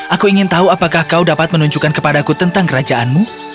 aku ingin tahu apakah kau dapat menunjukkan kepadaku tentang kerajaanmu